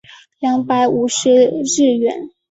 两百五十日圆